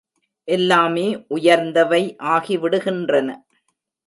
எல்லாமே உயர்ந்தவை ஆகிவிடுகின்றன.